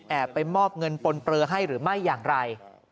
ไปมอบเงินปนเปลือให้หรือไม่อย่างไร